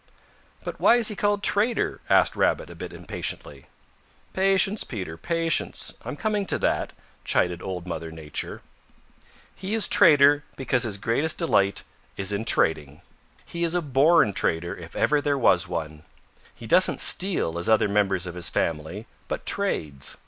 "But why is he called Trader?" asked Rabbit a bit impatiently. "Patience, Peter, patience. I'm coming to that," chided Old Mother Nature. "He is Trader because his greatest delight is in trading. He is a born trader if ever there was one. He doesn't steal as other members of his family but trades.